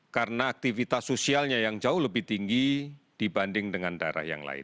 karena aktivitas sosialnya yang jauh lebih tinggi dibanding dengan daerah yang lain